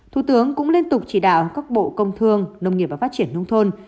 thủ tướng cũng liên tục chỉ đạo các bộ công thương nông nghiệp và phát triển nông thôn